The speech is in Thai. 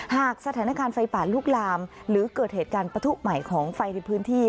หากสถานการณ์ไฟป่าลุกลามหรือเกิดเหตุการณ์ประทุใหม่ของไฟในพื้นที่